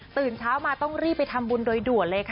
ตื่นเช้ามาต้องรีบทำบุญโดยด่วน